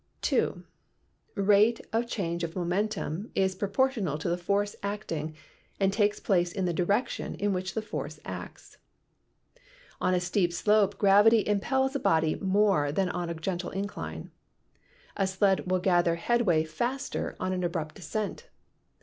(2) Rate of change of momentum is proportional to the force acting and takes place in the direction in which the force acts. On a steep slope gravity impels a body more than on a gentle incline. A sled will gather headway faster on an 30 PHYSICS abrupt descent.